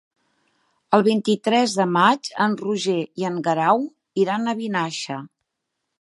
El vint-i-tres de maig en Roger i en Guerau iran a Vinaixa.